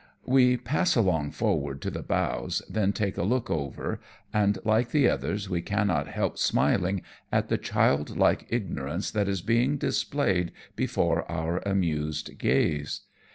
We pass along forward to the bows, then take a look over, and, like the others, we cannot help smiling at the child like ignorance that is being displayed before our amused gaze.